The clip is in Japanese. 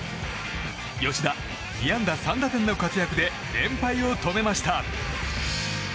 吉田、２安打３打点の活躍で連敗を止めました。